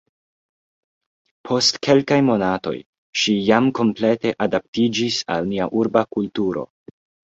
Post kelkaj monatoj, ŝi jam komplete adaptiĝis al nia urba kulturo.